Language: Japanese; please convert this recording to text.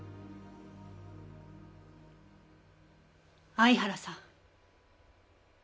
相原さん。